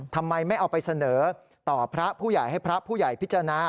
ทำไมไม่เอาไปเสนอต่อพระผู้ใหญ่ให้พระผู้ใหญ่พิจารณา